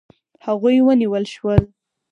هغوی ونیول شول.